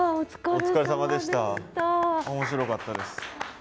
お疲れさまでした。面白かったです。